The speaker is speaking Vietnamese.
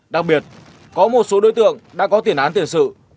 đặc biệt có một số đối tượng đã có tiền án tiền sự